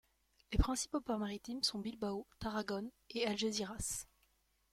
Les principaux ports maritimes sont Bilbao, Tarragone et Algésiras.